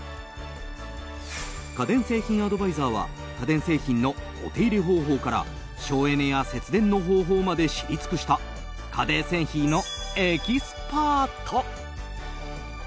家電製品アドバイザーは家電製品のお手入れ方法から省エネや節電の方法まで知り尽くした家電製品のエキスパート。